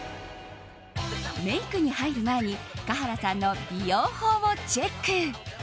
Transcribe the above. メイクに入る前に華原さんの美容法をチェック。